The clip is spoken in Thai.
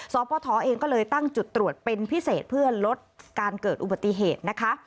ปทเองก็เลยตั้งจุดตรวจเป็นพิเศษเพื่อลดการเกิดอุบัติเหตุนะคะ